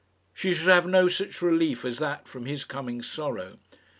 He should have no such relief as that from his coming sorrow.